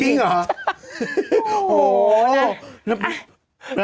จริงเหรอ